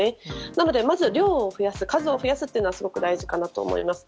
なので、まず量を増やす数を増やすということがすごく大事かなと思います。